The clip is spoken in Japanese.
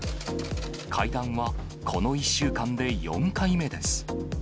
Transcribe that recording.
会談はこの１週間で４回目です。